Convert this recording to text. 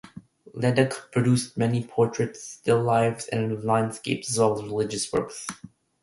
Leduc produced many portraits, still lifes and landscapes, as well as religious works.